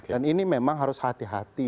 dan ini memang harus hati hati